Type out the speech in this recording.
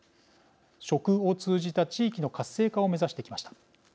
食を通じた地域の活性化を目指してきました。